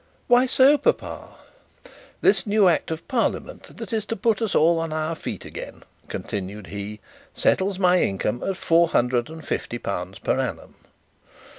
'Why so, papa?' 'This new act of parliament, that is to put us all on our feet again,' continued he, 'settles my income at four hundred and fifty pounds per annum.'